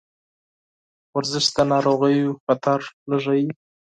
ورزش د ناروغیو خطر کموي.